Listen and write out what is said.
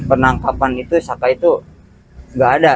penangkapan itu saka itu nggak ada